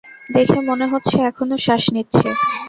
দেখে মনে হচ্ছে এখনও শ্বাস নিচ্ছে।